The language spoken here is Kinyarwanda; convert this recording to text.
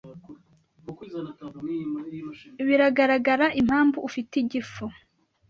Biragaragara impamvu ufite igifu.